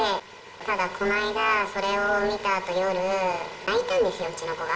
ただこの間、それを見たあと、夜、泣いたんですよ、うちの子が。